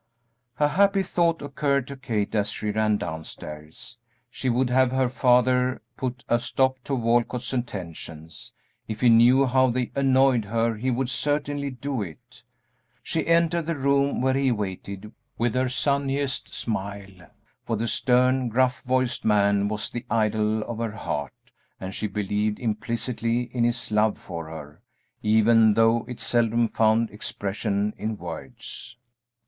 A happy thought occurred to Kate as she ran downstairs, she would have her father put a stop to Walcott's attentions; if he knew how they annoyed her he would certainly do it. She entered the room where he waited with her sunniest smile, for the stern, gruff voiced man was the idol of her heart and she believed implicitly in his love for her, even though it seldom found expression in words.